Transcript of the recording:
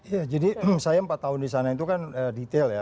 ya jadi saya empat tahun di sana itu kan detail ya